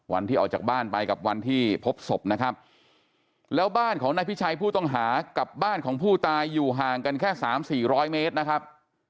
วันที่ออกจากบ้านไปกับวันที่พบศพนะครับแล้วบ้านของนายพิชัยผู้ต้องหากับบ้านของผู้ตายอยู่ห่างกันแค่สามสี่ร้อยเมตรนะครับ